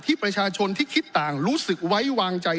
ประชาชนที่คิดต่างรู้สึกไว้วางใจ